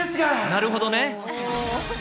なるほどね。